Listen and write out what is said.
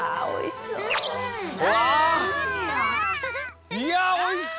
おいしい！